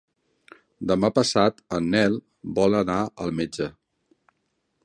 Demà passat en Nel vol anar al metge.